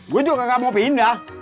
gue juga gak mau pindah